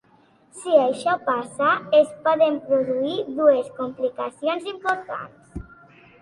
Si això passa, es poden produir dues complicacions importants.